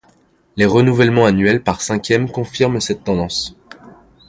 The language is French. Les renouvellements annuels par cinquième confirment cette tendance.